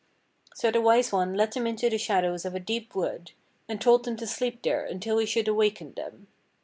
So the Wise One led them into the shadows of a deep wood, and told them to sleep there until he should awaken them.